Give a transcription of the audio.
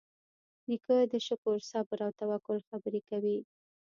نیکه د شکر، صبر، او توکل خبرې کوي.